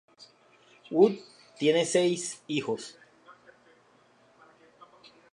Wood tiene seis hijos.